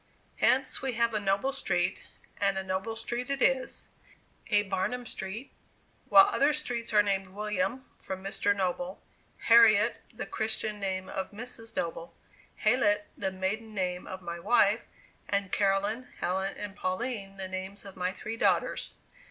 Hence, we have a "Noble" Street and a noble street it is; a "Barnum" Street; while other streets are named "William," from Mr. Noble; "Harriet," the Christian name of Mrs. Noble; "Hallett," the maiden name of my wife; and "Caroline," "Helen," and "Pauline," the names of my three daughters.